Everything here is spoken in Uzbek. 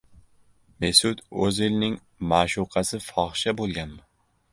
Mesut O‘zilning ma’shuqasi fohisha bo‘lganmi?